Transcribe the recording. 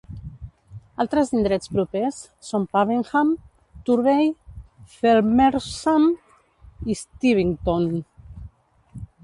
Altres indrets propers són Pavenham, Turvey, Felmersham i Stevington.